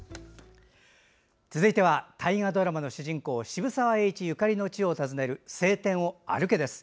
続いては大河ドラマの主人公渋沢栄一ゆかりの地を訪ねる「青天を歩け！」です。